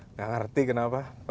enggak ngerti kenapa